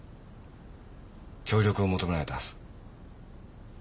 協力を求められた。